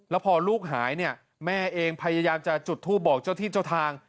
แล้วพอลูกหายเนี่ยแม่เองพยายามจะจุดทูปบอกเจ้าที่เจ้าทาง